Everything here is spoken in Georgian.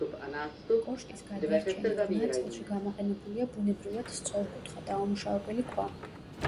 კოშკის გადარჩენილ ნაწილში გამოყენებულია ბუნებრივად სწორკუთხა, დაუმუშავებელი ქვა.